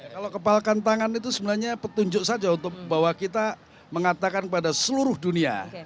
kalau kepalkan tangan itu sebenarnya petunjuk saja untuk bahwa kita mengatakan pada seluruh dunia